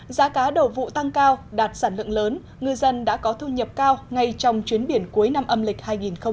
giá cá đầu vụ tăng cao đạt sản lượng lớn ngư dân đã có thu nhập cao ngay trong chuyến biển cuối năm âm lịch hai nghìn hai mươi